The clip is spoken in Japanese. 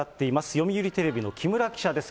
読売テレビの木村記者です。